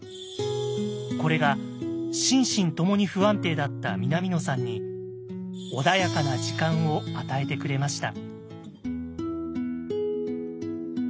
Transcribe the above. これが心身ともに不安定だった南野さんに穏やかな時間を与えてくれました。